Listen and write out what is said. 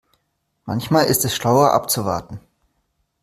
Manchmal ist es schlauer abzuwarten.